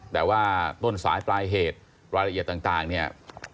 แต่ว่าต้นสายปลายเหตุรายละเอียดต่างเนี่ย